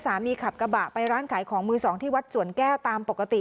ขับกระบะไปร้านขายของมือสองที่วัดสวนแก้วตามปกติ